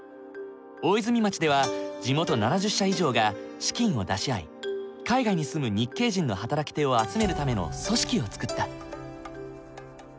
大泉町では地元７０社以上が資金を出し合い海外に住む日系人の働き手を集めるための組織を作った。